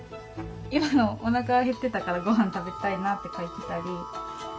今のおなかが減ってたからごはん食べたいなって書いてたり。